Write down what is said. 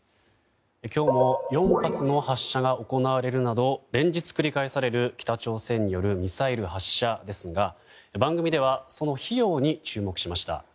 今日も４発の発射が行われるなど連日繰り返される北朝鮮によるミサイル発射ですが番組ではその費用に注目しました。